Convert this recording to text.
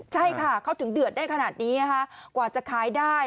ใช่ค่ะเขาถึงเดือดได้ขนาดนี้กว่าจะขายได้